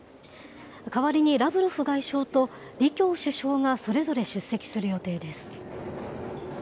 代わりにラブロフ外相と、李強首相がそれぞれ出席する予定です。